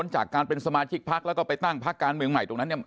จากการเป็นสมาชิกพักแล้วก็ไปตั้งพักการเมืองใหม่ตรงนั้นเนี่ย